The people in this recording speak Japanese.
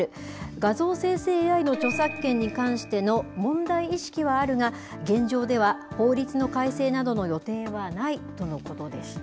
画像生成ＡＩの著作権に関しての問題意識はあるが、現状では法律の改正などの予定はないとのことでした。